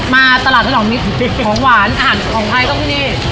มาตลาดของมีของหวานอาหารของใครก็มี